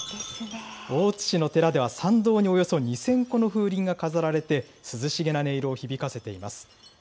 大津市の寺では、参道におよそ２０００個の風鈴が飾られて、涼しげな音色を響かせています。